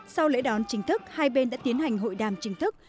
sau lễ đón chính thức hai bên đã tiến hành hội đàm chính thức